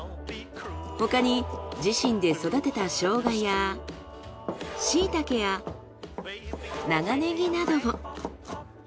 他に自身で育てたショウガやしいたけや長ネギなどを。